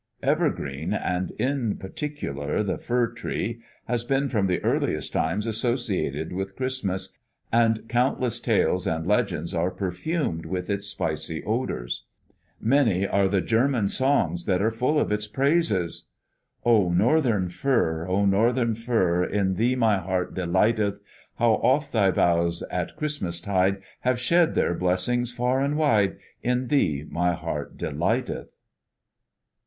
Evergreen, and, in particular, the fir tree, has been from the earliest times associated with Christmas, and countless tales and legends are perfumed with its spicy odors. Many are the German songs that are full of its praises. "O northern fir, O northern fir, In thee my heart delighteth, How oft thy boughs at Christmastide Have shed their blessings far and wide; In thee my heart delighteth."